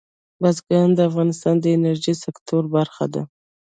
بزګان د افغانستان د انرژۍ سکتور برخه ده.